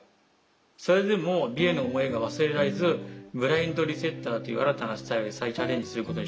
それでも美への思いが忘れられずブラインドリセッターという新たなスタイルに再チャレンジすることにしました」。